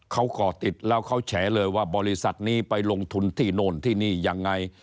เขาก่อติดแล้วเขาแฉเลยว่าบริษัทนี้ไปลงทุนที่โน่นที่นี่ยังไง